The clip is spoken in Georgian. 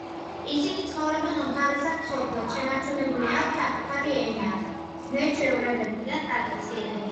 ისინი ცხოვრობენ უმთავრესად სოფლად, შენარჩუნებული აქვთ საკუთარი ენა და ზნე-ჩვეულებები, ტრადიციები.